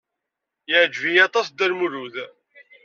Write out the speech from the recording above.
Yeɛjeb-iyi aṭas Dda Lmulud.